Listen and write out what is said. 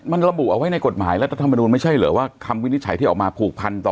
มันระบุเอาไว้ในกฎหมายรัฐธรรมนูลไม่ใช่เหรอว่าคำวินิจฉัยที่ออกมาผูกพันต่อ